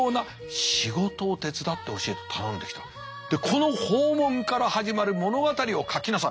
「この訪問から始まる物語を書きなさい」。